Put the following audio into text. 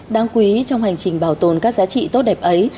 đáng quý trong hành trình bảo tồn các giá trị tốt đẹp ấy